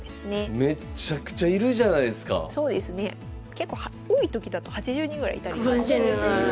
結構多い時だと８０人ぐらいいたり。